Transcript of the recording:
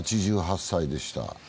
８８歳でした。